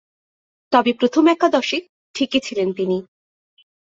তবে, প্রথম একাদশে ঠিকই ছিলেন তিনি।